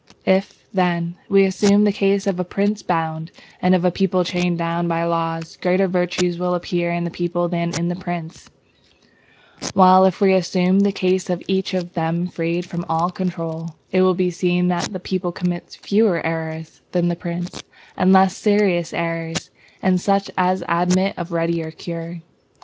If, then, we assume the case of a prince bound, and of a people chained down by the laws, greater virtue will appear in the people than in the prince; while if we assume the case of each of them freed from all control, it will be seen that the people commits fewer errors than the prince, and less serious errors, and such as admit of readier cure.